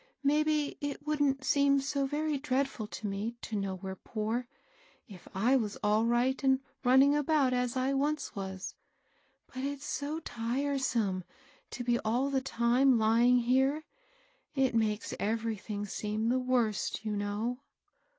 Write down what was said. Maybe it wouldn't seem so very dreadful to me to know we're poor, if I was all right and running about, as I once was. But it's so tiresome 14 210 MABBL ROSS. to be all the time lying here ; it makes eyerything seem the worst, you know."